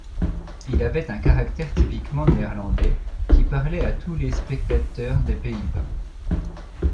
Il avait un caractère typiquement néerlandais qui parlait à tous les spectateurs des Pays-Bas.